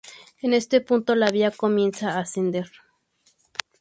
En este punto la vía comienza a ascender.